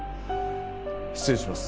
失礼します。